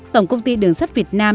tổng công ty đường sắt việt nam